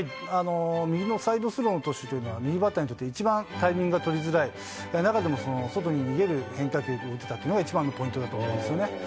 右のサイドスローの投手というのは、右バッターにとって一番タイミングが取りづらい中でも、外に逃げる変化球を打てたというのは一番のポイントだと思うんですよね。